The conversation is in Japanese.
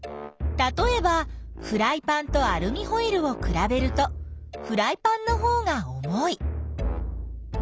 たとえばフライパンとアルミホイルをくらべるとフライパンのほうが重い。